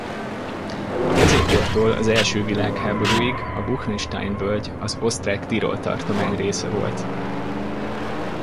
A középkortól az első világháborúig a Buchenstein-völgy az osztrák Tirol tartomány része volt.